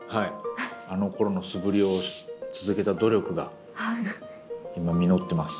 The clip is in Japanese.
あのころの素振りを続けた努力が今実ってます。